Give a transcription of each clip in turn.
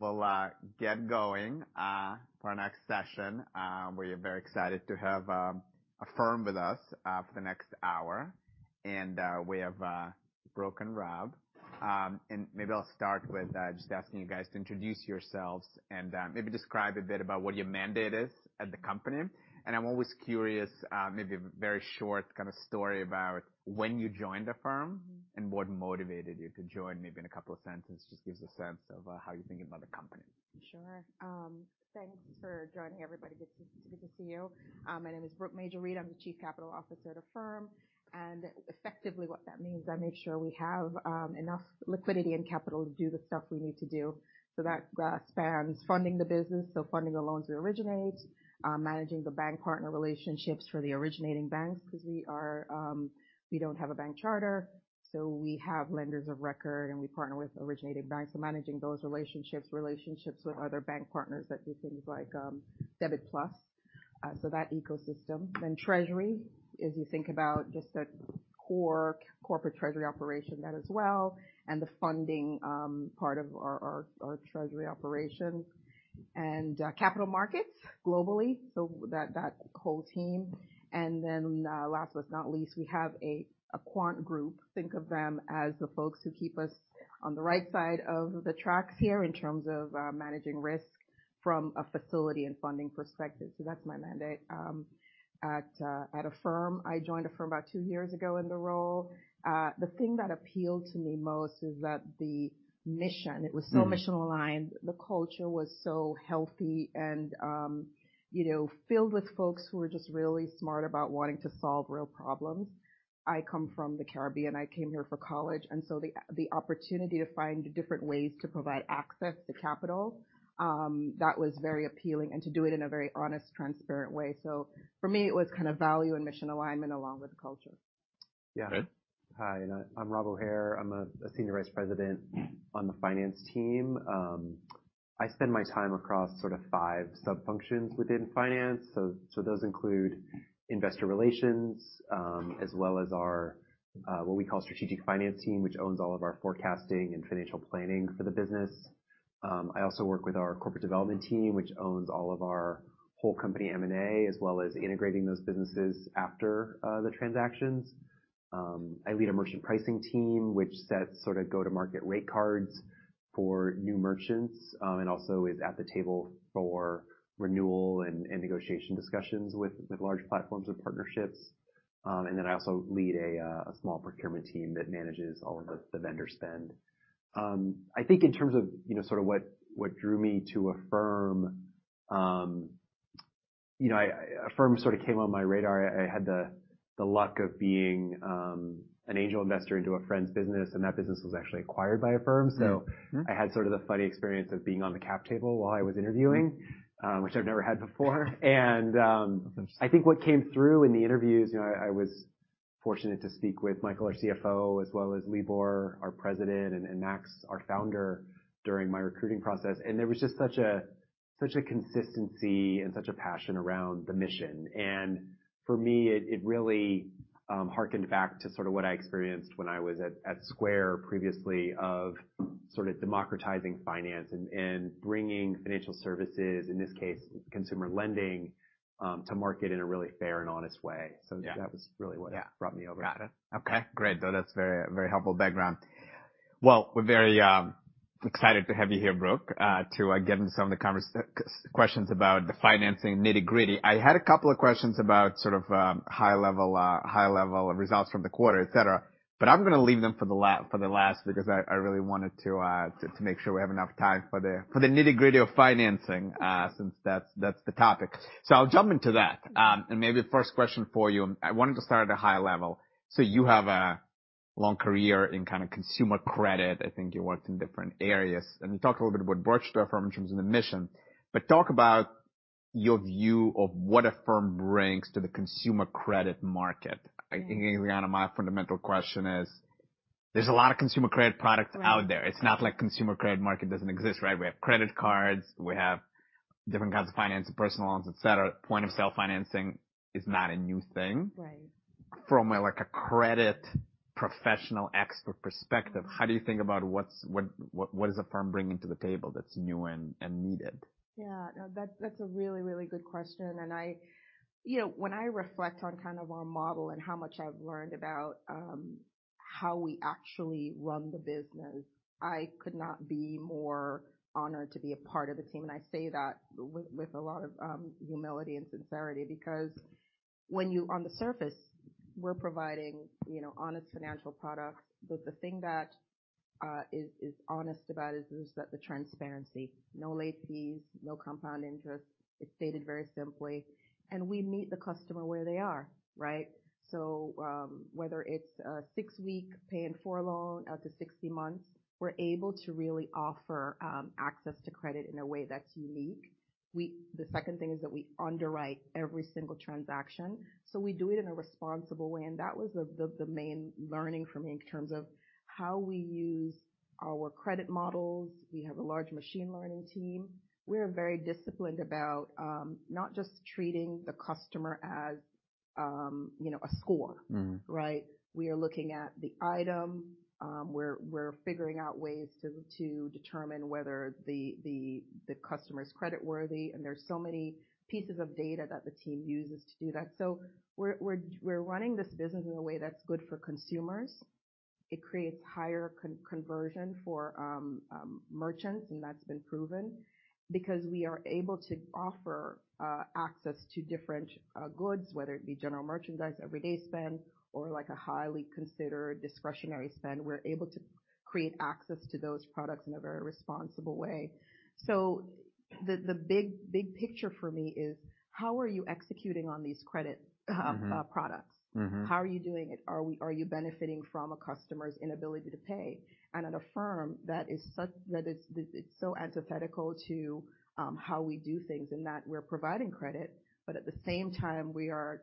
We'll get going for our next session. We are very excited to have Affirm with us for the next hour. We have Brooke and Rob. Maybe I'll start with just asking you guys to introduce yourselves and maybe describe a bit about what your mandate is at the company. I'm always curious, maybe a very short kind of story about when you joined the firm and what motivated you to join, maybe in a couple of sentences, just gives a sense of how you're thinking about the company. Sure. Thanks for joining, everybody. Good to see you. My name is Brooke Major-Reid. I'm the Chief Capital Officer at Affirm, and effectively what that means, I make sure we have enough liquidity and capital to do the stuff we need to do. That spans funding the business, so funding the loans we originate, managing the bank partner relationships for the originating banks because we don't have a bank charter, so we have lenders of record, and we partner with originating banks. Managing those relationships with other bank partners that do things like Debit+, so that ecosystem. Treasury, as you think about just the core corporate treasury operation, that as well, and the funding part of our treasury operations. Capital markets globally, so that whole team. Last but not least, we have a quant group. Think of them as the folks who keep us on the right side of the tracks here in terms of managing risk from a facility and funding perspective. That's my mandate at Affirm. I joined Affirm about two years ago in the role. The thing that appealed to me most is that the mission, it was so mission-aligned. The culture was so healthy and, you know, filled with folks who are just really smart about wanting to solve real problems. I come from the Caribbean. I came here for college, the opportunity to find different ways to provide access to capital, that was very appealing, and to do it in a very honest, transparent way. For me, it was kind of value and mission alignment along with the culture. Yeah. Hi, I'm Rob O'Hare. I'm a senior vice president on the finance team. I spend my time across sort of five sub-functions within finance. Those include investor relations, as well as our what we call strategic finance team, which owns all of our forecasting and financial planning for the business. I also work with our corporate development team, which owns all of our whole company M&A, as well as integrating those businesses after the transactions. I lead a merchant pricing team which sets sort of go-to-market rate cards for new merchants, and also is at the table for renewal and negotiation discussions with large platforms or partnerships. I also lead a small procurement team that manages all of the vendor spend. I think in terms of, you know, sort of what drew me to Affirm, you know, Affirm sort of came on my radar. I had the luck of being an angel investor into a friend's business, and that business was actually acquired by Affirm. Mm-hmm. I had sort of the funny experience of being on the cap table while I was interviewing, which I've never had before. I think what came through in the interviews, you know, I was fortunate to speak with Michael, our CFO, as well as Libor, our president, and Max, our founder, during my recruiting process. There was just such a consistency and such a passion around the mission. For me it really hearkened back to sort of what I experienced when I was at Square previously of sort of democratizing finance and bringing financial services, in this case, consumer lending, to market in a really fair and honest way. Yeah. That was really. Yeah. brought me over. Got it. Okay, great. That's very, very helpful background. Well, we're very excited to have you here, Brooke, to get into some of the questions about the financing nitty-gritty. I had a couple of questions about sort of high level, high level results from the quarter, et cetera, but I'm gonna leave them for the last because I really wanted to make sure we have enough time for the nitty-gritty of financing, since that's the topic. I'll jump into that. Maybe first question for you, I wanted to start at a high level. You have a long career in kind of consumer credit. I think you worked in different areas. You talked a little bit about Affirm in terms of the mission, but talk about your view of what Affirm brings to the consumer credit market. Mm-hmm. I think kinda my fundamental question is, there's a lot of consumer credit products out there. Right. It's not like consumer credit market doesn't exist, right? We have credit cards, we have different kinds of financing, personal loans, et cetera. Point of sale financing is not a new thing. Right. From a, like, a credit professional expert perspective, how do you think about what is Affirm bringing to the table that's new and needed? Yeah. No, that's a really, really good question. You know, when I reflect on kind of our model and how much I've learned about how we actually run the business, I could not be more honored to be a part of the team. I say that with a lot of humility and sincerity because when on the surface, we're providing, you know, honest financial products, but the thing that is honest about it is just that the transparency. No late fees, no compound interest. It's stated very simply. We meet the customer where they are, right? Whether it's a six-week Pay in four loan out to 60 months, we're able to really offer access to credit in a way that's unique. The second thing is that we underwrite every single transaction. We do it in a responsible way. That was the main learning for me in terms of how we use our credit models. We have a large machine learning team. We are very disciplined about not just treating the customer as, you know, a score. Mm. Right? We are looking at the item, we're figuring out ways to determine whether the customer is credit worthy, and there's so many pieces of data that the team uses to do that. We're running this business in a way that's good for consumers. It creates higher conversion for merchants, and that's been proven because we are able to offer access to different goods, whether it be general merchandise, everyday spend, or like a highly considered discretionary spend. We're able to create access to those products in a very responsible way. The big picture for me is how are you executing on these credit. Mm-hmm. products? Mm-hmm. How are you doing it? Are you benefiting from a customer's inability to pay? At Affirm that it's so antithetical to how we do things in that we're providing credit, but at the same time we are,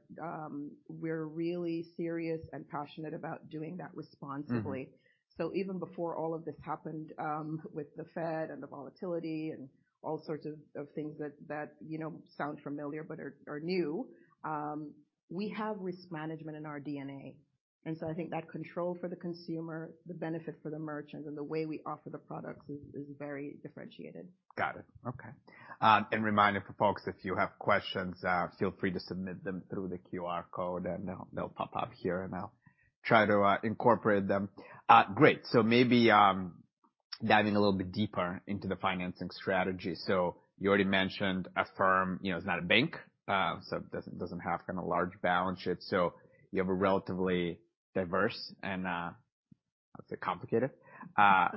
we're really serious and passionate about doing that responsibly. Mm-hmm. Even before all of this happened, with the Fed and the volatility and all sorts of things that, you know, sound familiar but are new, we have risk management in our DNA. I think that control for the consumer, the benefit for the merchant, and the way we offer the products is very differentiated. Got it. Okay. Reminder for folks, if you have questions, feel free to submit them through the QR code, and they'll pop up here, and I'll try to incorporate them. Great. Maybe diving a little bit deeper into the financing strategy. You already mentioned Affirm, you know, is not a bank, so it doesn't have kind of large balance sheets, so you have a relatively diverse and, let's say complicated,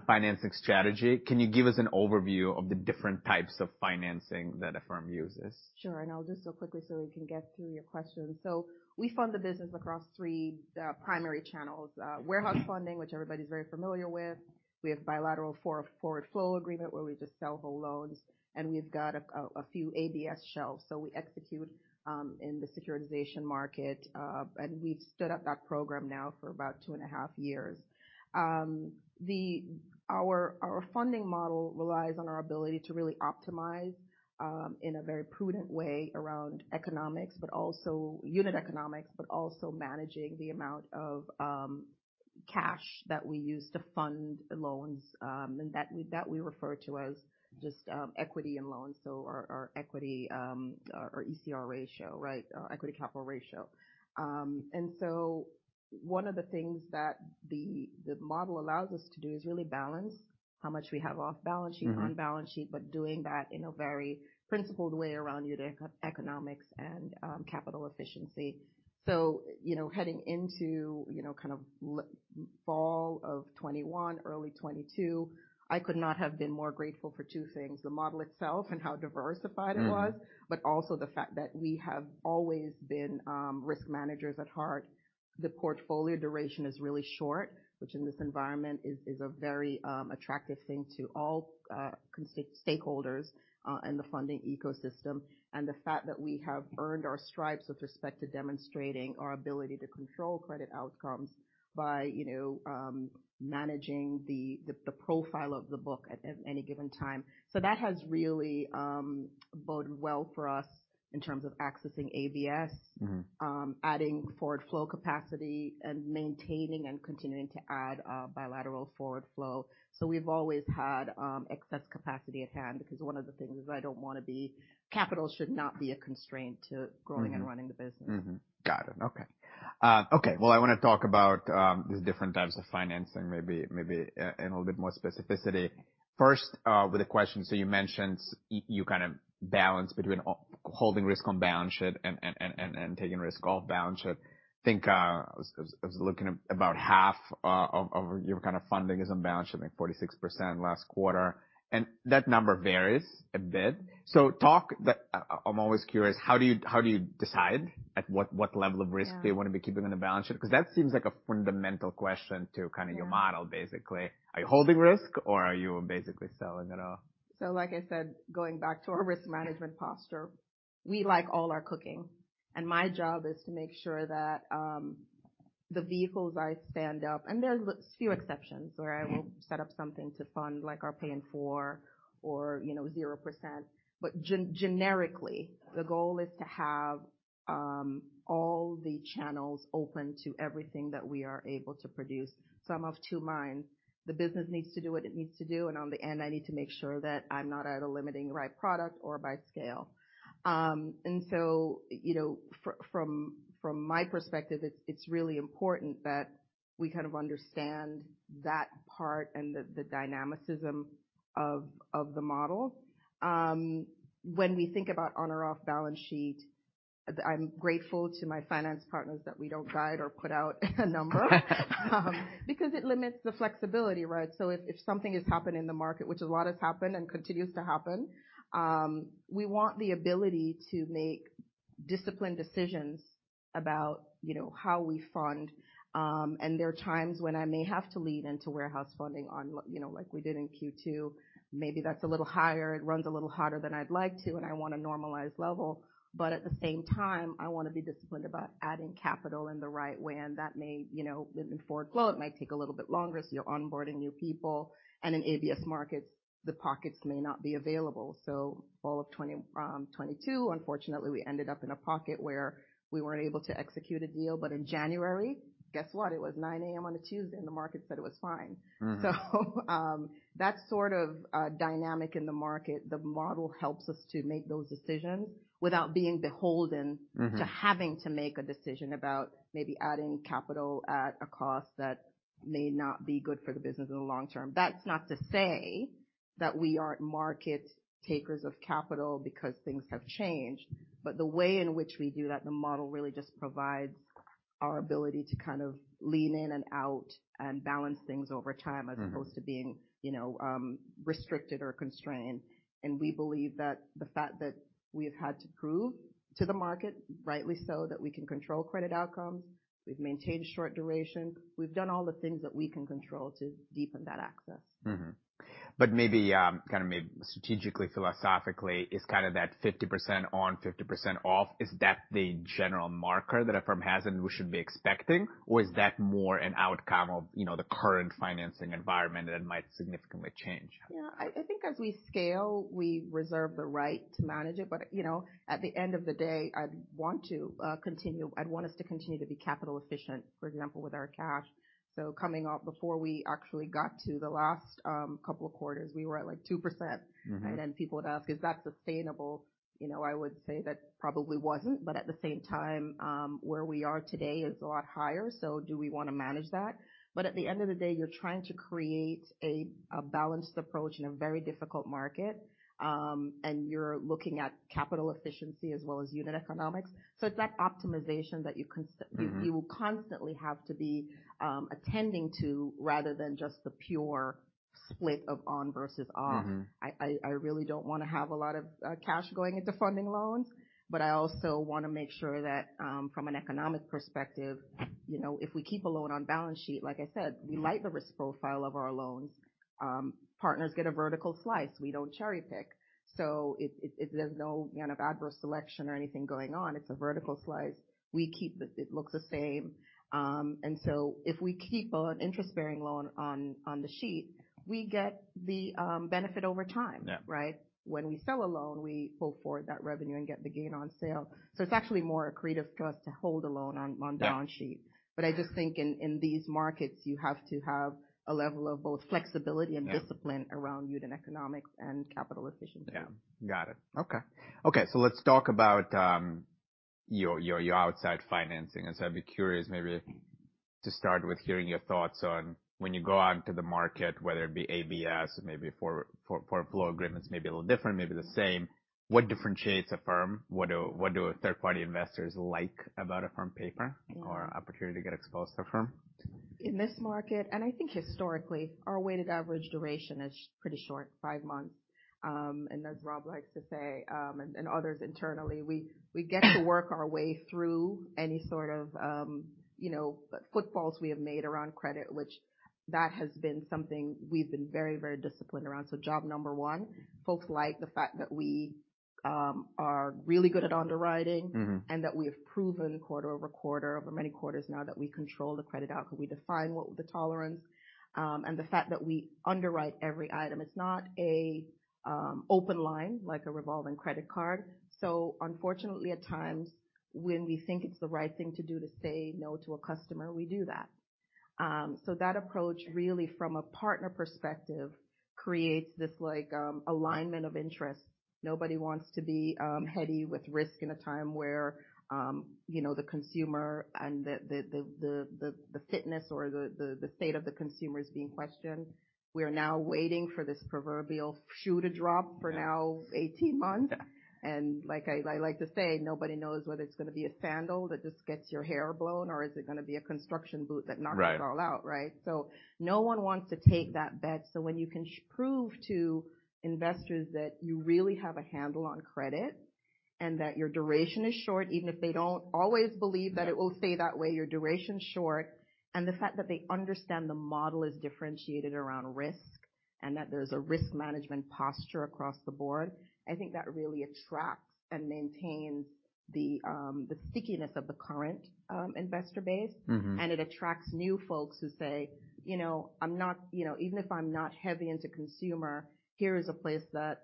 financing strategy. Can you give us an overview of the different types of financing that Affirm uses? Sure. I'll do this so quickly so we can get through your questions. We fund the business across three primary channels. Warehouse funding, which everybody's very familiar with. We have bilateral forward flow agreement where we just sell whole loans, and we've got a few ABS shelves. We execute in the securitization market, and we've stood up that program now for about 2.5 years. Our funding model relies on our ability to really optimize in a very prudent way around economics, but also unit economics, but also managing the amount of cash that we use to fund loans, and that we refer to as just equity and loans, so our equity, our ECR ratio, right? Our equity capital ratio. One of the things that the model allows us to do is really balance how much we have off balance sheet. Mm-hmm. On balance sheet, but doing that in a very principled way around unit eco-economics and capital efficiency. You know, heading into, you know, kind of fall of 2021, early 2022, I could not have been more grateful for two things: the model itself and how diversified it was. Mm. Also the fact that we have always been risk managers at heart. The portfolio duration is really short, which in this environment is a very attractive thing to all stakeholders in the funding ecosystem. The fact that we have earned our stripes with respect to demonstrating our ability to control credit outcomes by, you know, managing the profile of the book at any given time. That has really boded well for us in terms of accessing ABS. Mm-hmm. adding forward flow capacity and maintaining and continuing to add bilateral forward flow. We've always had excess capacity at hand because one of the things is I don't wanna be... Capital should not be a constraint to growing. Mm-hmm. Running the business. Mm-hmm. Got it. Okay. Okay. Well, I wanna talk about these different types of financing maybe in a little bit more specificity. First, with a question, you mentioned you kind of balance between holding risk on balance sheet and taking risk off balance sheet. I think, I was looking about half of your kind of funding is on balance sheet, like 46% last quarter, and that number varies a bit. Talk the... I'm always curious, how do you decide at what level of risk- Yeah. They wanna be keeping on the balance sheet? Cause that seems like a fundamental question to kind of your model, basically. Are you holding risk or are you basically selling it off? Like I said, going back to our risk management posture, I like all our cooking, and my job is to make sure that the vehicles I stand up, and there's few exceptions where I will set up something to fund like our Pay in four or, you know, 0%. Generically, the goal is to have all the channels open to everything that we are able to produce. I'm of two minds. The business needs to do what it needs to do, and on the end, I need to make sure that I'm not at a limiting right product or by scale. You know, from my perspective, it's really important that we kind of understand that part and the dynamicism of the model. When we think about on or off balance sheet, I'm grateful to my finance partners that we don't guide or put out a number. Because it limits the flexibility, right? If something has happened in the market, which a lot has happened and continues to happen, we want the ability to make disciplined decisions about, you know, how we fund. There are times when I may have to lean into warehouse funding on, you know, like we did in Q2. Maybe that's a little higher. It runs a little hotter than I'd like to, and I want a normalized level. At the same time, I wanna be disciplined about adding capital in the right way, and that may, you know, in forward flow, it might take a little bit longer, so you're onboarding new people. In ABS markets, the pockets may not be available. Fall of 2022, unfortunately, we ended up in a pocket where we weren't able to execute a deal. In January, guess what? It was 9:00 A.M. on a Tuesday, and the market said it was fine. Mm. that sort of dynamic in the market, the model helps us to make those decisions without being beholden- Mm-hmm. To having to make a decision about maybe adding capital at a cost that may not be good for the business in the long term. That's not to say that we aren't market takers of capital because things have changed. The way in which we do that, Our ability to kind of lean in and out and balance things over time. Mm-hmm. As opposed to being, you know, restricted or constrained. We believe that the fact that we have had to prove to the market, rightly so, that we can control credit outcomes. We've maintained short duration. We've done all the things that we can control to deepen that access. Maybe, strategically, philosophically is that 50% on, 50% off. Is that the general marker that Affirm has and we should be expecting? Is that more an outcome of, you know, the current financing environment that might significantly change? Yeah. I think as we scale, we reserve the right to manage it. You know, at the end of the day, I'd want to continue to be capital efficient, for example, with our cash. Coming off before we actually got to the last couple of quarters, we were at, like, 2%. Mm-hmm. People would ask, "Is that sustainable?" You know, I would say that probably wasn't, at the same time, where we are today is a lot higher, do we wanna manage that? At the end of the day, you're trying to create a balanced approach in a very difficult market. You're looking at capital efficiency as well as unit economics. It's that optimization that you. Mm-hmm. You constantly have to be attending to rather than just the pure split of on versus off. Mm-hmm. I really don't wanna have a lot of cash going into funding loans. I also wanna make sure that from an economic perspective, you know, if we keep a loan on balance sheet, like I said, we like the risk profile of our loans. Partners get a vertical slice. We don't cherry-pick. There's no kind of adverse selection or anything going on. It's a vertical slice. We keep the it looks the same. If we keep an interest-bearing loan on the sheet, we get the benefit over time. Yeah. Right? When we sell a loan, we pull forward that revenue and get the gain on sale. It's actually more accretive to us to hold a loan on balance sheet. Yeah. I just think in these markets, you have to have a level of both flexibility. Yeah. discipline around unit economics and capital efficiency. Yeah. Got it. Okay. Let's talk about your outside financing. I'd be curious maybe to start with hearing your thoughts on when you go out into the market, whether it be ABS, maybe for flow agreements, maybe a little different, maybe the same. What differentiates Affirm? What do third party investors like about Affirm paper? Yeah. or opportunity to get exposed to Affirm? In this market, I think historically, our weighted average duration is pretty short, five months. As Rob likes to say, and others internally, we get to work our way through any sort of, you know, footballs we have made around credit, which that has been something we've been very, very disciplined around. Job number one, folks like the fact that we are really good at underwriting. Mm-hmm. That we have proven quarter-over-quarter, over many quarters now, that we control the credit outcome. We define what the tolerance, and the fact that we underwrite every item. It's not a open line like a revolving credit card. Unfortunately, at times, when we think it's the right thing to do to say no to a customer, we do that. That approach really from a partner perspective creates this, like, alignment of interest. Nobody wants to be heady with risk in a time where, you know, the consumer and the fitness or the state of the consumer is being questioned. We are now waiting for this proverbial shoe to drop for now 18 months. Yeah. like I like to say, nobody knows whether it's gonna be a sandal that just gets your hair blown or is it gonna be a construction boot that. Right. us all out, right? No one wants to take that bet. When you can prove to investors that you really have a handle on credit and that your duration is short, even if they don't always believe that it will stay that way, your duration's short. The fact that they understand the model is differentiated around risk and that there's a risk management posture across the board, I think that really attracts and maintains the stickiness of the current investor base. Mm-hmm. It attracts new folks who say, "You know, I'm not... You know, even if I'm not heavy into consumer, here is a place that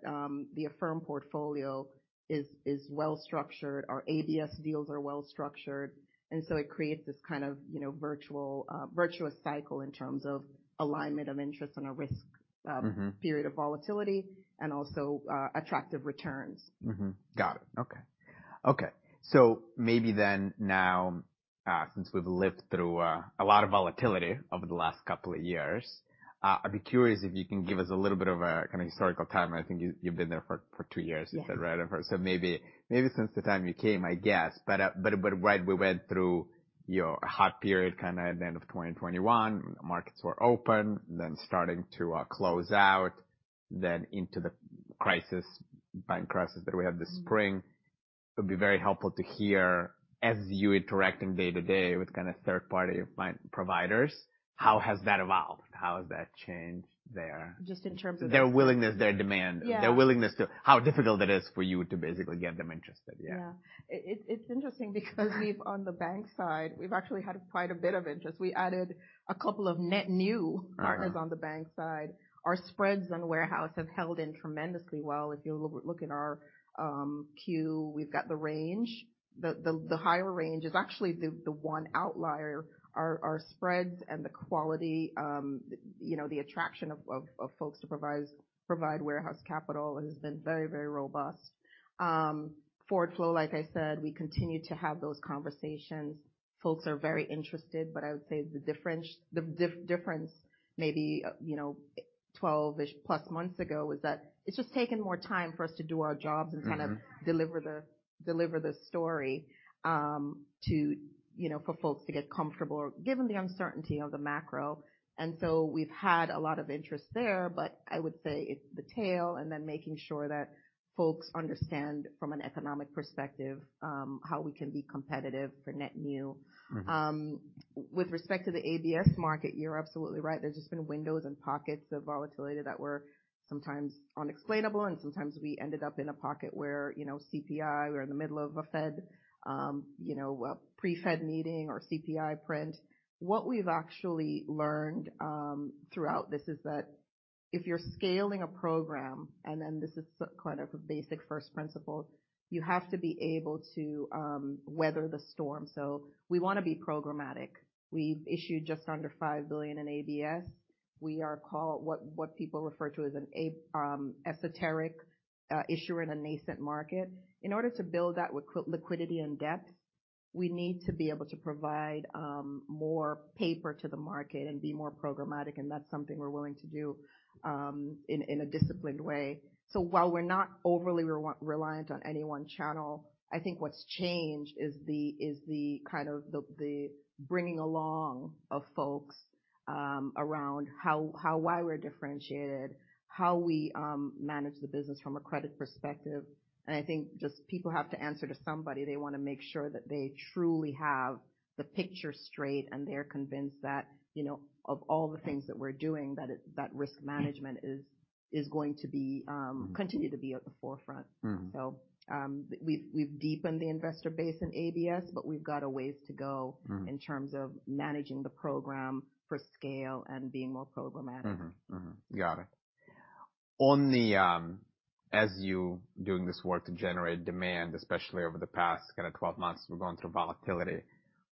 the Affirm portfolio is well structured. Our ABS deals are well structured." It creates this kind of, you know, virtual, virtuous cycle in terms of alignment of interest and a risk. Mm-hmm. period of volatility and also, attractive returns. Mm-hmm. Got it. Okay. Okay. Maybe now, since we've lived through, a lot of volatility over the last couple of years, I'd be curious if you can give us a little bit of a kind of historical time. I think you've been there for two years- Yeah. you said, right? Maybe since the time you came, I guess. But right we went through your hot period kinda at the end of 2021, markets were open, then starting to close out, then into the crisis, bank crisis that we had this spring. It'd be very helpful to hear as you're interacting day to day with kinda third party providers, how has that evolved? How has that changed? Just in terms of- Their willingness, their demand. Yeah. Their willingness to how difficult it is for you to basically get them interested, yeah. Yeah. It's interesting because on the bank side, we've actually had quite a bit of interest. We added a couple of net. Uh-huh. -partners on the bank side. Our spreads on warehouse have held in tremendously well. If you look at our queue, we've got the range. The higher range is actually the one outlier. Our spreads and the quality, you know, the attraction of folks to provide warehouse capital has been very, very robust. Forward flow, like I said, we continue to have those conversations. Folks are very interested, but I would say the difference maybe, you know, 12-ish+ months ago was that it's just taken more time for us to do our jobs- Mm-hmm. -and kind of deliver the story, to, you know, for folks to get comfortable given the uncertainty of the macro. We've had a lot of interest there. I would say it's the tail and then making sure that folks understand from an economic perspective, how we can be competitive for net new. Mm-hmm. With respect to the ABS market, you're absolutely right. There's just been windows and pockets of volatility that were sometimes unexplainable, and sometimes we ended up in a pocket where, you know, CPI, we're in the middle of a Fed, you know, a pre-Fed meeting or CPI print. What we've actually learned throughout this is that if you're scaling a program, and then this is kind of a basic first principle, you have to be able to weather the storm. We wanna be programmatic. We've issued just under $5 billion in ABS. We are called what people refer to as an A, esoteric issuer in a nascent market. In order to build that liquidity and depth, we need to be able to provide more paper to the market and be more programmatic, that's something we're willing to do in a disciplined way. While we're not overly reliant on any one channel, I think what's changed is the, is the kind of the bringing along of folks around how why we're differentiated, how we manage the business from a credit perspective. I think just people have to answer to somebody. They wanna make sure that they truly have the picture straight, and they're convinced that, you know, of all the things that we're doing, that risk management is going to be. Mm-hmm. Continue to be at the forefront. Mm-hmm. We've deepened the investor base in ABS, but we've got a ways to go. Mm-hmm. In terms of managing the program for scale and being more programmatic. Mm-hmm. Mm-hmm. Got it. On the, as you doing this work to generate demand, especially over the past kind of 12 months, we're going through volatility,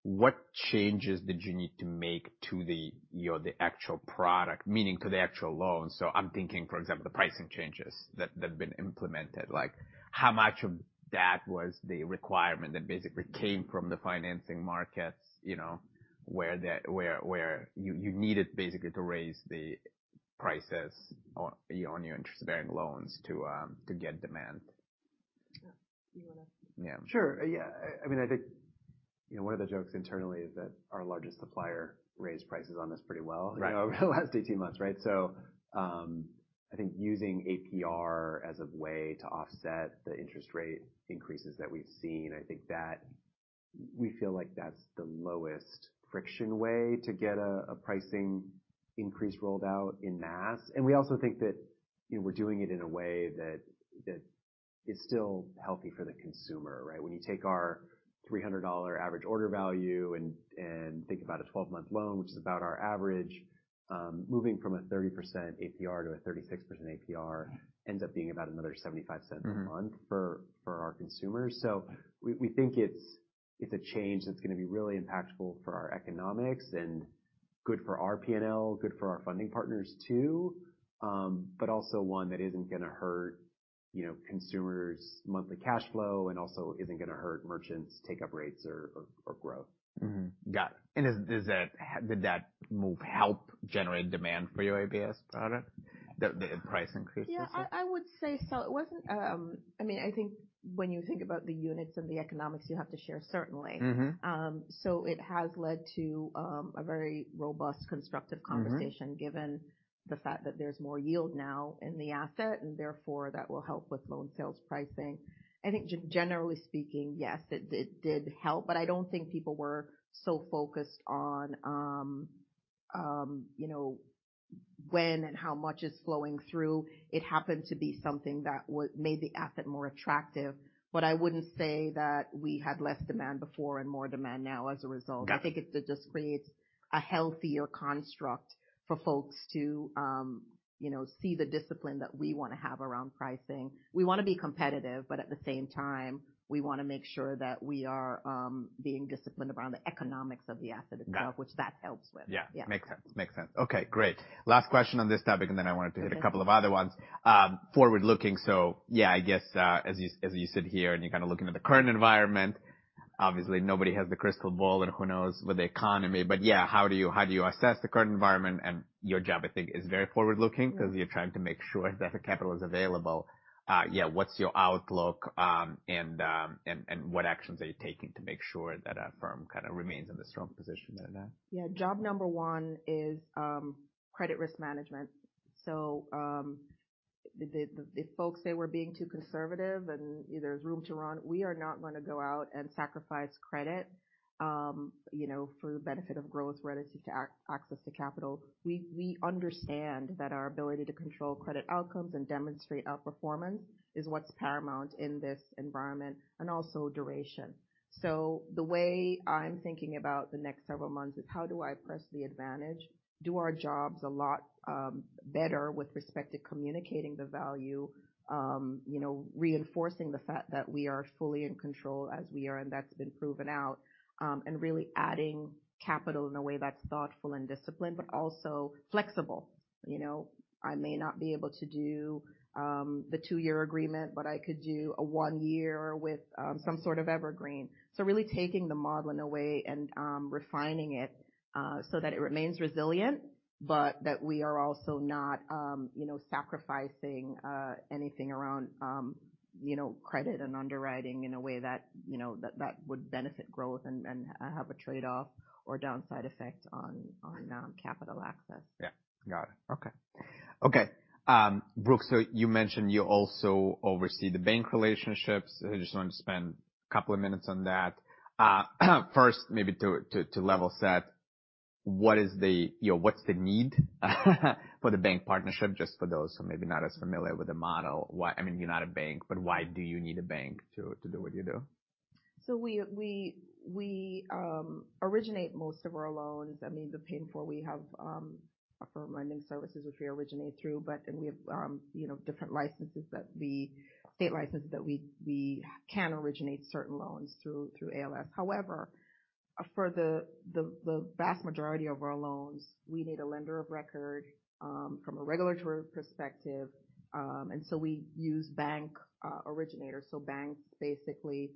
what changes did you need to make to the, you know, the actual product, meaning to the actual loans? I'm thinking, for example, the pricing changes that have been implemented. Like, how much of that was the requirement that basically came from the financing markets, you know, where you needed basically to raise the prices on your interest-bearing loans to get demand? Yeah. You wanna? Yeah. Sure. Yeah. I mean, I think, you know, one of the jokes internally is that our largest supplier raised prices on us pretty well- Right. You know, over the last 18 months, right? I think using APR as a way to offset the interest rate increases that we've seen, I think that we feel like that's the lowest friction way to get a pricing increase rolled out en masse. We also think that, you know, we're doing it in a way that is still healthy for the consumer, right? When you take our $300 average order value and think about a 12-month loan, which is about our average, moving from a 30% APR to a 36% APR ends up being about another $0.75 a month. Mm-hmm. for our consumers. We think it's a change that's gonna be really impactful for our economics and good for our P&L, good for our funding partners too. Also one that isn't gonna hurt, you know, consumers' monthly cash flow and also isn't gonna hurt merchants' take-up rates or growth. Got it. Did that move help generate demand for your ABS product, the price increases? Yeah. I would say so. It wasn't. I mean, I think when you think about the units and the economics you have to share, certainly. Mm-hmm. it has led to, a very robust, constructive conversation. Mm-hmm. Given the fact that there's more yield now in the asset, and therefore that will help with loan sales pricing. I think generally speaking, yes, it did help, but I don't think people were so focused on, you know, when and how much is flowing through. It happened to be something that made the asset more attractive, but I wouldn't say that we had less demand before and more demand now as a result. Got it. I think it just creates a healthier construct for folks to, you know, see the discipline that we wanna have around pricing. We wanna be competitive, but at the same time, we wanna make sure that we are being disciplined around the economics of the asset itself. Got it. -which that helps with. Yeah. Yeah. Makes sense. Makes sense. Okay, great. Last question on this topic, then I wanted to hit two other ones. Forward looking, I guess, as you sit here and you're looking at the current environment, obviously nobody has the crystal ball and who knows with the economy, how do you assess the current environment? Your job, I think, is very forward-looking because you're trying to make sure that the capital is available. What's your outlook, and what actions are you taking to make sure that Affirm remains in the strong position that it has? Job number one is credit risk management. The folks say we're being too conservative and there's room to run. We are not gonna go out and sacrifice credit, you know, for the benefit of growth relative to access to capital. We understand that our ability to control credit outcomes and demonstrate outperformance is what's paramount in this environment and also duration. The way I'm thinking about the next several months is how do I press the advantage, do our jobs a lot better with respect to communicating the value, you know, reinforcing the fact that we are fully in control as we are, and that's been proven out, and really adding capital in a way that's thoughtful and disciplined, but also flexible. You know, I may not be able to do the two-year agreement, but I could do a one-year with some sort of evergreen. Really taking the model in a way and refining it so that it remains resilient, but that we are also not, you know, sacrificing anything around, you know, credit and underwriting in a way that, you know, that would benefit growth and have a trade-off or downside effect on capital access. Yeah. Got it. Okay. Okay. Brooke, you mentioned you also oversee the bank relationships. I just want to spend a couple of minutes on that. First, maybe to level set, you know, what's the need for the bank partnership, just for those who may be not as familiar with the model. I mean, you're not a bank, but why do you need a bank to do what you do? We originate most of our loans. I mean, the Pay in four we have Affirm Loan Services, which we originate through, we have, you know, different licenses that we state licenses that we can originate certain loans through ALS. For the vast majority of our loans, we need a lender of record from a regulatory perspective, we use bank originators. Banks basically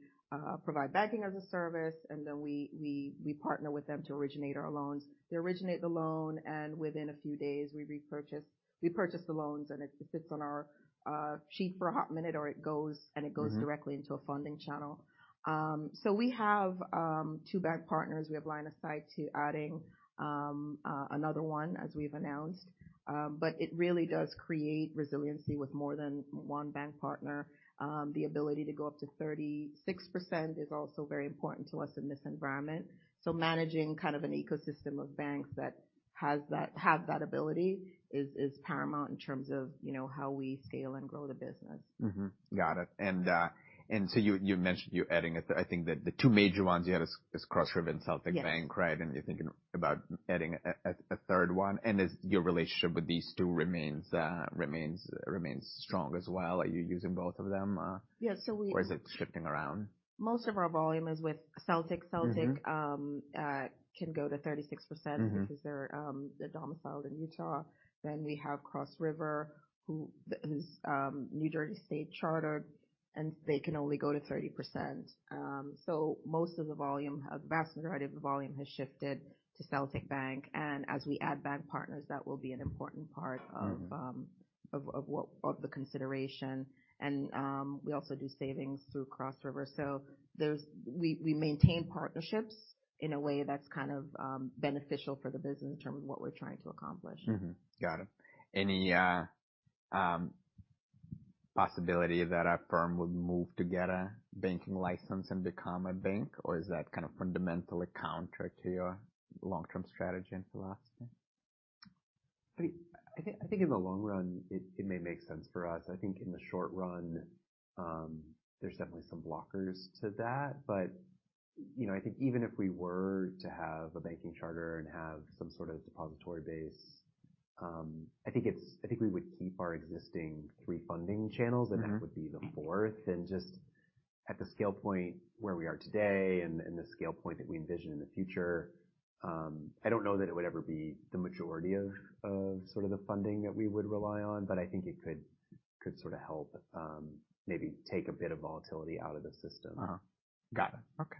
provide banking as a service, we partner with them to originate our loans. They originate the loan, within a few days, we repurchase. We purchase the loans, it sits on our sheet for a hot minute, or it goes. Mm-hmm. -directly into a funding channel. We have two bank partners. We have line of sight to adding another one as we've announced. It really does create resiliency with more than one bank partner. The ability to go up to 36% is also very important to us in this environment. Managing kind of an ecosystem of banks that have that ability is paramount in terms of, you know, how we scale and grow the business. Got it. You mentioned you're adding, I think the two major ones you had is Cross River and Celtic Bank. Yes. Right? You're thinking about adding a third one. Is your relationship with these two remains strong as well? Are you using both of them? Yeah. Is it shifting around? Most of our volume is with Celtic. Mm-hmm. Celtic, can go to 36%. Mm-hmm. because they're domiciled in Utah. We have Cross River whose New Jersey State chartered, and they can only go to 30%. A vast majority of the volume has shifted to Celtic Bank. As we add bank partners, that will be an important part of. Mm-hmm. Of the consideration. We also do savings through Cross River. We maintain partnerships in a way that's kind of, beneficial for the business in terms of what we're trying to accomplish. Got it. Any possibility that Affirm would move to get a banking license and become a bank, or is that kind of fundamentally counter to your long-term strategy in the last thing? I think in the long run, it may make sense for us. I think in the short run, there's definitely some blockers to that. You know, I think even if we were to have a banking charter and have some sort of depository base, I think we would keep our existing three funding channels. Mm-hmm. That would be the fourth. Just at the scale point where we are today and the scale point that we envision in the future, I don't know that it would ever be the majority of sort of the funding that we would rely on, but I think it could sort of help maybe take a bit of volatility out of the system. Got it. Okay.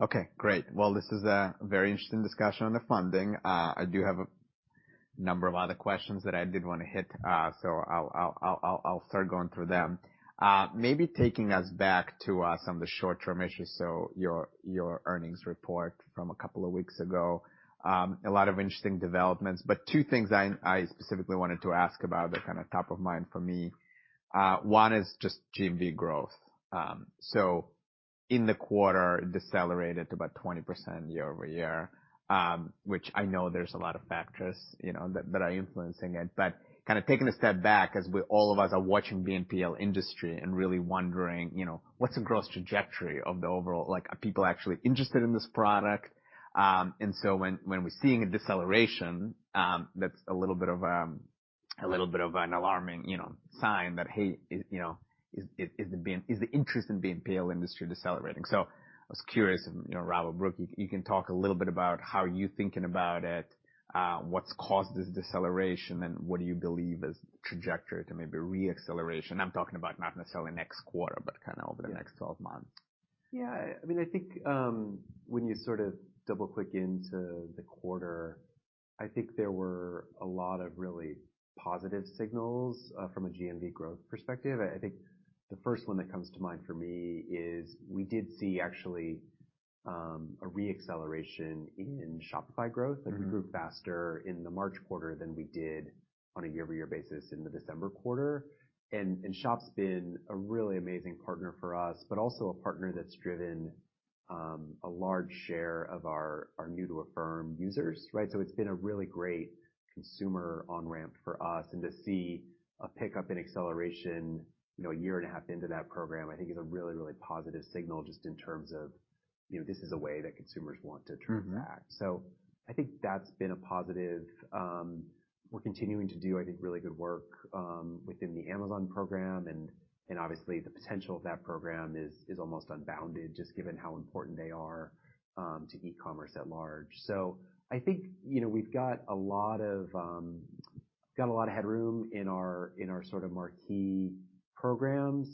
Okay, great. This is a very interesting discussion on the funding. I do have a number of other questions that I did wanna hit, so I'll start going through them. Maybe taking us back to some of the short-term issues, so your earnings report from a couple of weeks ago. A lot of interesting developments, two things I specifically wanted to ask about that are kinda top of mind for me. One is just GMV growth. In the quarter, it decelerated to about 20% year-over-year, which I know there's a lot of factors, you know, that are influencing it. Kind of taking a step back all of us are watching BNPL industry and really wondering, you know, what's the growth trajectory of the overall like are people actually interested in this product? When we're seeing a deceleration, that's a little bit of a little bit of an alarming, you know, sign that, hey, you know, is the interest in BNPL industry decelerating? I was curious if, you know, Rob O'Hare or Brooke, you can talk a little bit about how you're thinking about it, what's caused this deceleration, and what do you believe is trajectory to maybe re-acceleration. I'm talking about not necessarily next quarter, but kind of over the next 12 months. Yeah. I mean, I think, when you sort of double-click into the quarter, I think there were a lot of really positive signals from a GMV growth perspective. I think the first one that comes to mind for me is we did see actually a re-acceleration in Shopify growth. Mm-hmm. Like we grew faster in the March quarter than we did on a year-over-year basis in the December quarter. Shop's been a really amazing partner for us, but also a partner that's driven a large share of our new to Affirm users, right? It's been a really great consumer on-ramp for us. To see a pickup in acceleration, you know, a year and a half into that program, I think is a really positive signal just in terms of, you know, this is a way that consumers want to interact. Mm-hmm. I think that's been a positive, we're continuing to do, I think, really good work, within the Amazon program and obviously the potential of that program is almost unbounded, just given how important they are, to e-commerce at large. I think, you know, we've got a lot of headroom in our, in our sort of marquee programs.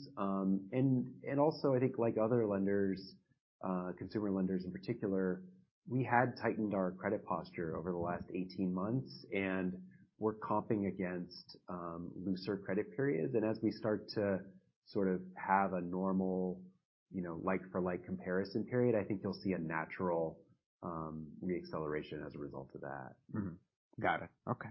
Also I think like other lenders, consumer lenders in particular, we had tightened our credit posture over the last 18 months, and we're comping against, looser credit periods. As we start to sort of have a normal, you know, like-for-like comparison period, I think you'll see a natural, re-acceleration as a result of that. Got it. Okay.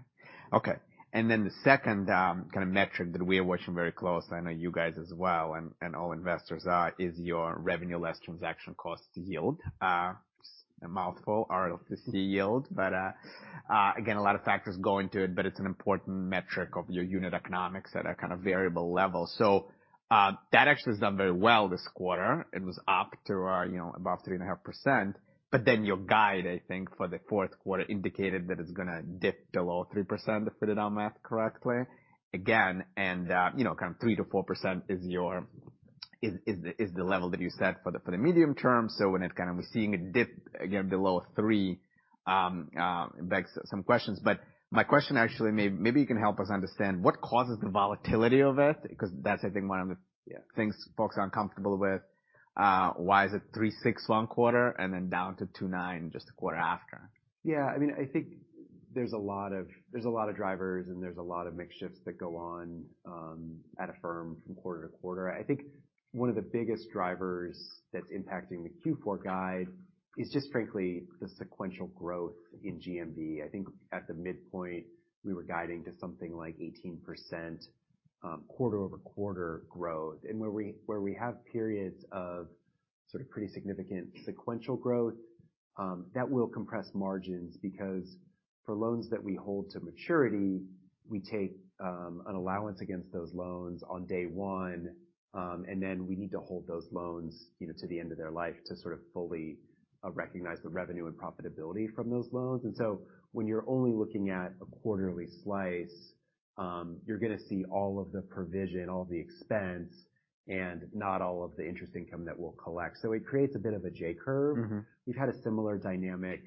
Okay. The second, kind of metric that we are watching very closely, I know you guys as well, and all investors are, is your Revenue Less Transaction Costs yield. It's a mouthful, RLTC yield. Again, a lot of factors go into it, but it's an important metric of your unit economics at a kind of variable level. That actually has done very well this quarter. It was up to, you know, about 3.5%, your guide, I think, for the fourth quarter indicated that it's gonna dip below 3%, if I did our math correctly. Kind of 3%-4% is your, is the level that you set for the medium term. When it kind of... We're seeing it dip again below three, it begs some questions. My question actually maybe you can help us understand what causes the volatility of it, because that's I think one of the. Yeah... things folks are uncomfortable with. Why is it 3.6% one quarter and then down to 2.9% just the quarter after? Yeah, I mean, I think there's a lot of, there's a lot of drivers and there's a lot of mix shifts that go on, at Affirm from quarter to quarter. I think one of the biggest drivers that's impacting the Q4 guide is just frankly the sequential growth in GMV. I think at the midpoint, we were guiding to something like 18%, quarter-over-quarter growth. Where we have periods of sort of pretty significant sequential growth, that will compress margins because for loans that we hold to maturity, we take an allowance against those loans on day one, and then we need to hold those loans, you know, to the end of their life to sort of fully, recognize the revenue and profitability from those loans. When you're only looking at a quarterly slice, you're gonna see all of the provision, all the expense, and not all of the interest income that we'll collect. It creates a bit of a J curve. Mm-hmm. We've had a similar dynamic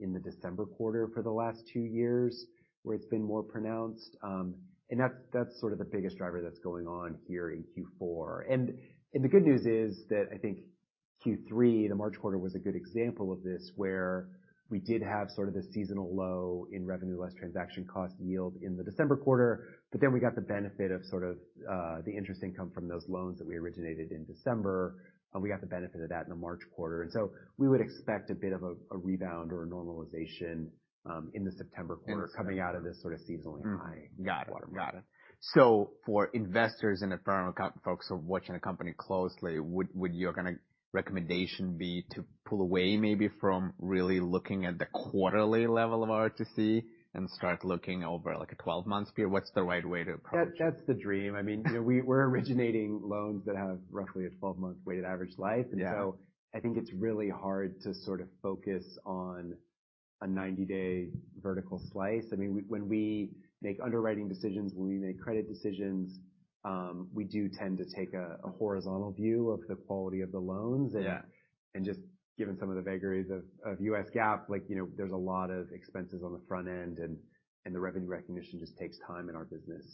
in the December quarter for the last two years where it's been more pronounced. That's sort of the biggest driver that's going on here in Q4. The good news is that I think Q3, the March quarter, was a good example of this, where we did have sort of the seasonal low in Revenue Less Transaction Costs yield in the December quarter. We got the benefit of sort of, the interest income from those loans that we originated in December, and we got the benefit of that in the March quarter. We would expect a bit of a rebound or a normalization in the September quarter. Interesting... coming out of this sort of seasonally high- Got it.... quarter. Got it. For investors in Affirm or folks who are watching the company closely, would your gonna recommendation be to pull away maybe from really looking at the quarterly level of RLTC and start looking over like a 12-month period? What's the right way to approach this? That's the dream. I mean, you know, we're originating loans that have roughly a 12-month weighted average life. Yeah. I think it's really hard to sort of focus on a 90-day vertical slice. I mean, when we make underwriting decisions, when we make credit decisions, we do tend to take a horizontal view of the quality of the loans. Yeah. Just given some of the vagaries of US GAAP, like, you know, there's a lot of expenses on the front end and the revenue recognition just takes time in our business.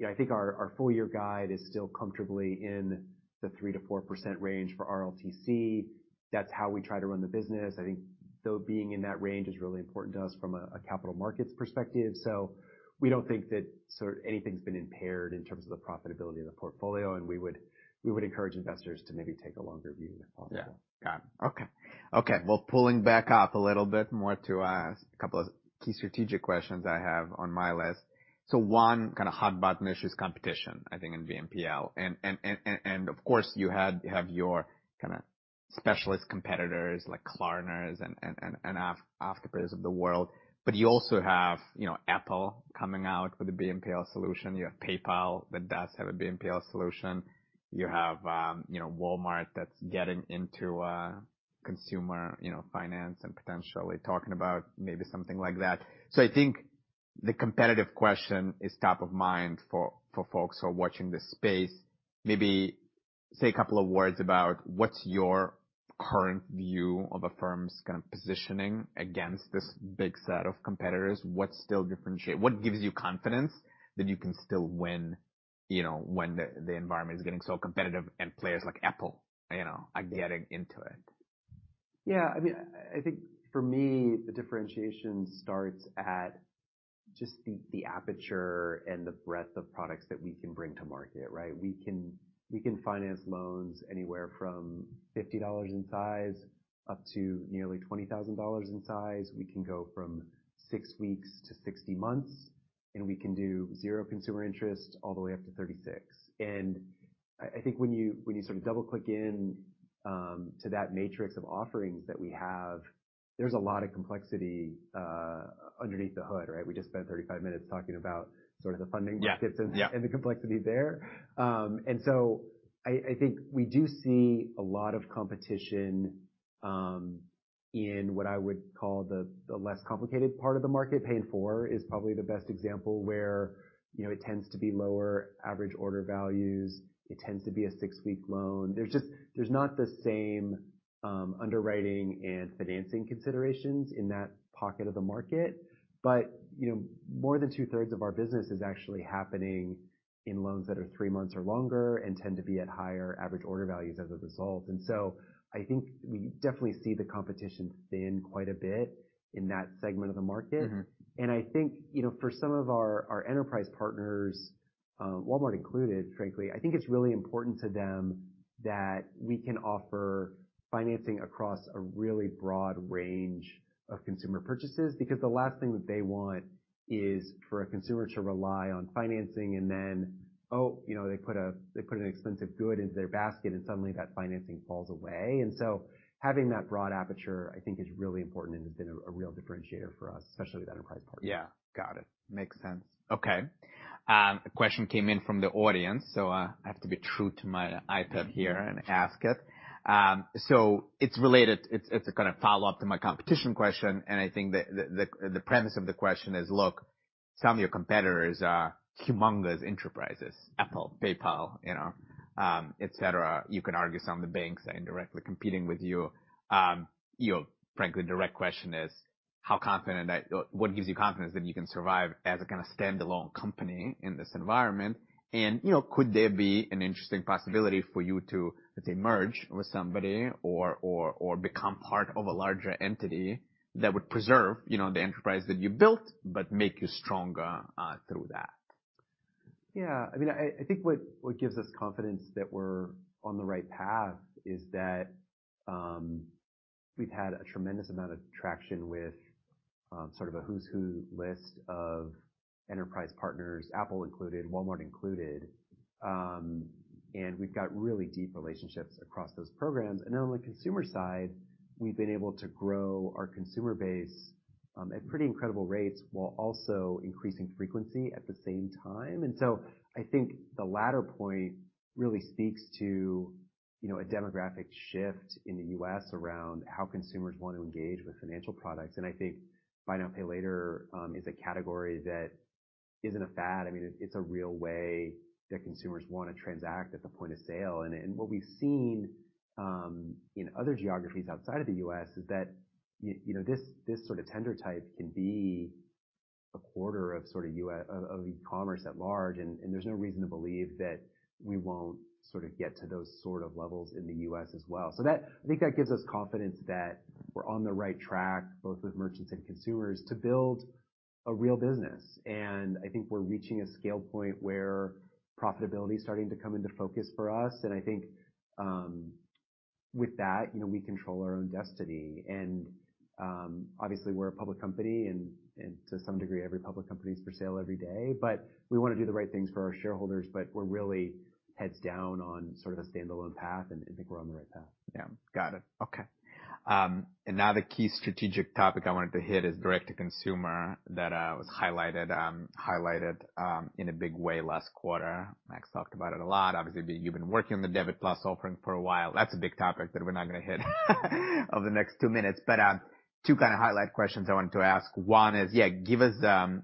Yeah, I think our full year guide is still comfortably in the 3%-4% range for RLTC. That's how we try to run the business. I think though being in that range is really important to us from a capital markets perspective. We don't think that sort of anything's been impaired in terms of the profitability of the portfolio, and we would encourage investors to maybe take a longer view if possible. Yeah. Got it. Okay. Okay. Pulling back up a little bit more to two key strategic questions I have on my list. One kind of hot button issue is competition, I think in BNPL. Of course you have your kind of specialist competitors like Klarna and Afterpay of the world, but you also have, you know, Apple coming out with a BNPL solution. You have PayPal that does have a BNPL solution. You have, you know, Walmart that's getting into consumer, you know, finance and potentially talking about maybe something like that. I think the competitive question is top of mind for folks who are watching this space. Maybe say two words about what's your current view of Affirm's kind of positioning against this big set of competitors. What gives you confidence that you can still win, you know, when the environment is getting so competitive and players like Apple, you know, are getting into it? Yeah. I mean, I think for me, the differentiation starts at just the aperture and the breadth of products that we can bring to market, right? We can finance loans anywhere from $50 in size up to nearly $20,000 in size. We can go from six weeks-60 months, and we can do 0% consumer interest all the way up to 36%. I think when you sort of double-click in to that matrix of offerings that we have, there's a lot of complexity underneath the hood, right? We just spent 35 minutes talking about sort of the funding markets. Yeah, yeah.... and the complexity there. I think we do see a lot of competition, in what I would call the less complicated part of the market. Pay in four is probably the best example where, you know, it tends to be lower average order values. It tends to be a six-week loan. There's not the same, underwriting and financing considerations in that pocket of the market. You know, more than two-thirds of our business is actually happening in loans that are three months or longer and tend to be at higher average order values as a result. I think we definitely see the competition thin quite a bit in that segment of the market. Mm-hmm. I think, you know, for some of our enterprise partners, Walmart included, frankly, I think it's really important to them that we can offer financing across a really broad range of consumer purchases, because the last thing that they want is for a consumer to rely on financing and then, oh, you know, they put an expensive good into their basket and suddenly that financing falls away. Having that broad aperture, I think is really important and has been a real differentiator for us, especially with enterprise partners. Yeah. Got it. Makes sense. Okay. A question came in from the audience, so, I have to be true to my IP here and ask it. It's related, it's a kinda follow-up to my competition question, and I think the premise of the question is, look, some of your competitors are humongous enterprises, Apple, PayPal, you know, et cetera. You can argue some of the banks are indirectly competing with you. You know, frankly, direct question is, how confident or what gives you confidence that you can survive as a kinda standalone company in this environment? You know, could there be an interesting possibility for you to, let's say, merge with somebody or become part of a larger entity that would preserve, you know, the enterprise that you built but make you stronger through that? Yeah. I mean, I think what gives us confidence that we're on the right path is that we've had a tremendous amount of traction with sort of a who's who list of enterprise partners, Apple included, Walmart included. We've got really deep relationships across those programs. On the consumer side, we've been able to grow our consumer base at pretty incredible rates while also increasing frequency at the same time. I think the latter point really speaks to, you know, a demographic shift in the U.S. around how consumers want to engage with financial products. I think buy now, pay later is a category that isn't a fad. I mean, it's a real way that consumers wanna transact at the point of sale. What we've seen, in other geographies outside of the U.S. is that you know, this sort of tender type can be a quarter of sort of e-commerce at large, and there's no reason to believe that we won't sort of get to those sort of levels in the U.S. as well. I think that gives us confidence that we're on the right track, both with merchants and consumers, to build a real business. I think we're reaching a scale point where profitability is starting to come into focus for us. I think, with that, you know, we control our own destiny. Obviously, we're a public company, and to some degree, every public company is for sale every day. We wanna do the right things for our shareholders, but we're really heads down on sort of a standalone path, and I think we're on the right path. Yeah. Got it. Okay. Another key strategic topic I wanted to hit is direct-to-consumer that was highlighted in a big way last quarter. Max talked about it a lot. Obviously, you've been working on the Debit+ offering for a while. That's a big topic that we're not gonna hit over the next two minutes. two kinda highlight questions I wanted to ask. One is, yeah, give us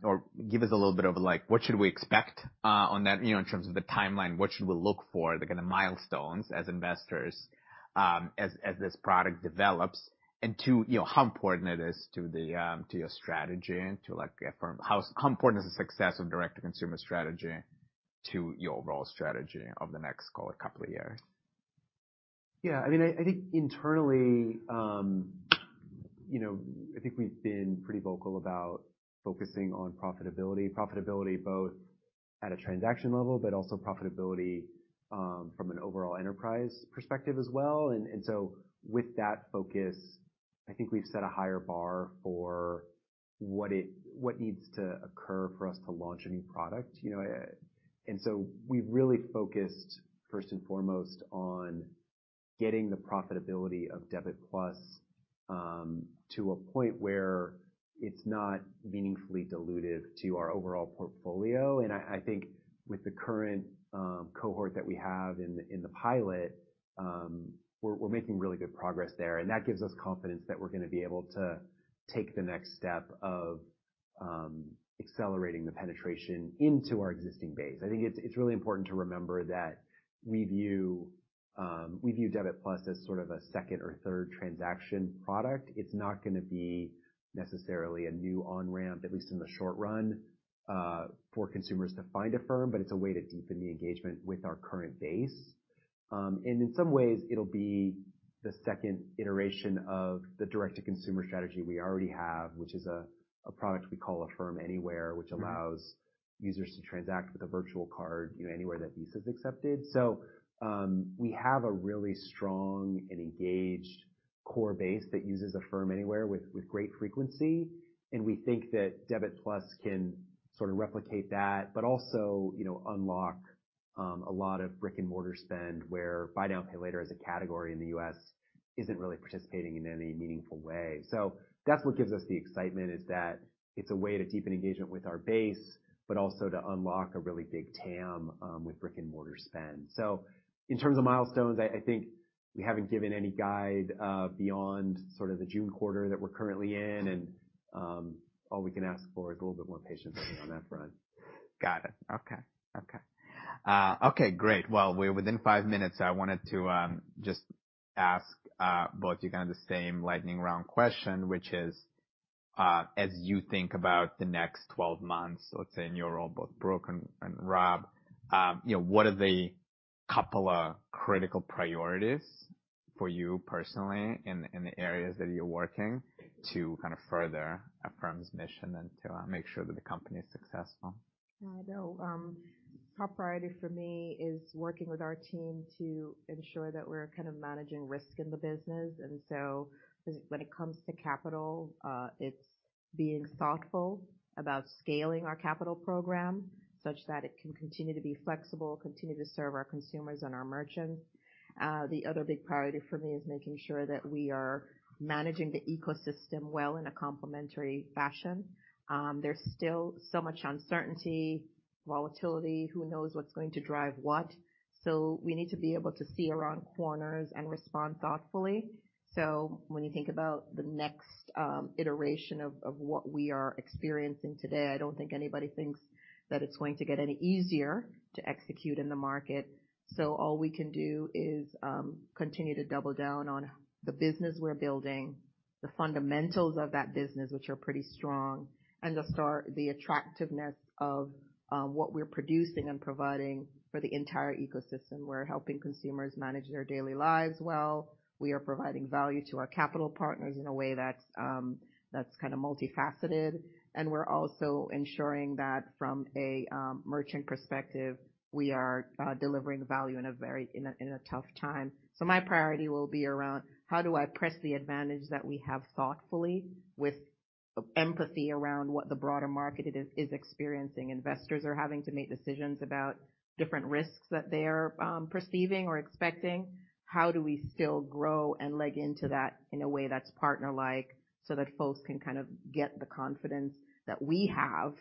or give us a little bit of like what should we expect on that, you know, in terms of the timeline, what should we look for, the kinda milestones as investors, as this product develops? Two, you know, how important it is to the, to your strategy to like how important is the success of direct-to-consumer strategy to your overall strategy over the next, call it, couple of years? Yeah, I mean, I think internally, you know, I think we've been pretty vocal about focusing on profitability. Profitability both at a transaction level, but also profitability from an overall enterprise perspective as well. With that focus, I think we've set a higher bar for what needs to occur for us to launch a new product, you know. We've really focused first and foremost on getting the profitability of Debit+, to a point where it's not meaningfully dilutive to our overall portfolio. I think with the current cohort that we have in the pilot, we're making really good progress there, and that gives us confidence that we're gonna be able to take the next step of accelerating the penetration into our existing base. I think it's really important to remember that we view, we view Debit+ as sort of a second or third transaction product. It's not gonna be necessarily a new on-ramp, at least in the short run, for consumers to find Affirm, but it's a way to deepen the engagement with our current base. In some ways it'll be the second iteration of the direct-to-consumer strategy we already have, which is a product we call Affirm Anywhere, which allows users to transact with a virtual card, you know, anywhere that Visa is accepted. We have a really strong and engaged core base that uses Affirm Anywhere with great frequency, and we think that Debit+ can sort of replicate that, but also, you know, unlock a lot of brick-and-mortar spend where buy now, pay later as a category in the U.S. isn't really participating in any meaningful way. That's what gives us the excitement, is that it's a way to deepen engagement with our base, but also to unlock a really big TAM with brick-and-mortar spend. In terms of milestones, I think we haven't given any guide beyond sort of the June quarter that we're currently in. All we can ask for is a little bit more patience from you on that front. Got it. Okay. Okay. Okay, great. Well, we're within five minutes. I wanted to just ask both you kind of the same lightning round question, which is, as you think about the next 12 months, let's say, in your role, both Brooke and Rob, you know, what are the couple of critical priorities for you personally in the areas that you're working to kind of further Affirm's mission and to make sure that the company is successful? Yeah, I know, top priority for me is working with our team to ensure that we're kind of managing risk in the business. When it comes to capital, it's being thoughtful about scaling our capital program such that it can continue to be flexible, continue to serve our consumers and our merchants. The other big priority for me is making sure that we are managing the ecosystem well in a complementary fashion. There's still so much uncertainty, volatility, who knows what's going to drive what. We need to be able to see around corners and respond thoughtfully. When you think about the next iteration of what we are experiencing today, I don't think anybody thinks that it's going to get any easier to execute in the market. All we can do is continue to double down on the business we're building, the fundamentals of that business, which are pretty strong, and to start the attractiveness of what we're producing and providing for the entire ecosystem. We're helping consumers manage their daily lives well. We are providing value to our capital partners in a way that's kind of multifaceted. We're also ensuring that from a merchant perspective, we are delivering value in a tough time. My priority will be around how do I press the advantage that we have thoughtfully with empathy around what the broader market is experiencing. Investors are having to make decisions about different risks that they are perceiving or expecting. How do we still grow and leg into that in a way that's partner-like so that folks can kind of get the confidence that we have,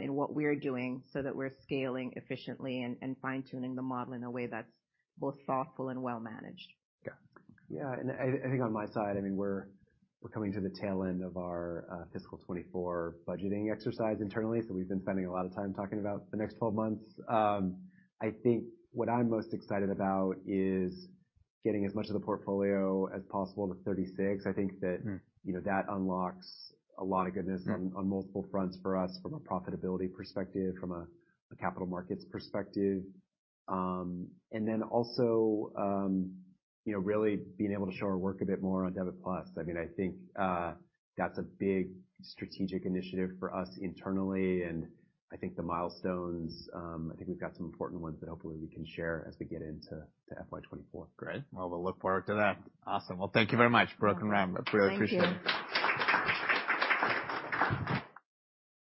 in what we're doing so that we're scaling efficiently and fine-tuning the model in a way that's both thoughtful and well-managed. Got it. Yeah. I think on my side, I mean, we're coming to the tail end of our fiscal 2024 budgeting exercise internally. We've been spending a lot of time talking about the next 12 months. I think what I'm most excited about is getting as much of the portfolio as possible to 36. Mm. you know, that unlocks a lot of goodness. Mm. -on, on multiple fronts for us from a profitability perspective, from a capital markets perspective. You know, really being able to show our work a bit more on Debit+. I mean, I think that's a big strategic initiative for us internally, and I think the milestones, I think we've got some important ones that hopefully we can share as we get into FY 2024. Great. Well, we'll look forward to that. Awesome. Well, thank you very much, Brooke and Rob. Absolutely. Thank you. Appreciate it.